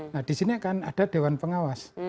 nah disini kan ada dewan pengawas